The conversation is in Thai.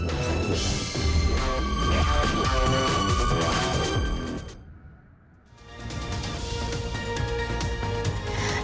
สวัสดีครับทุกคน